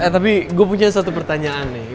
tapi gue punya satu pertanyaan nih